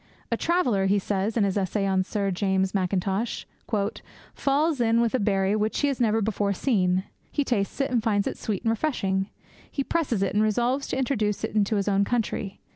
'A traveller,' he says in his essay on Sir James Mackintosh, 'falls in with a berry which he has never before seen. He tastes it, and finds it sweet and refreshing. He presses it, and resolves to introduce it into his own country.